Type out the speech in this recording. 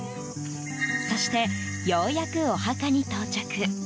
そして、ようやくお墓に到着。